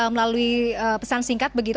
melalui pesan singkat begitu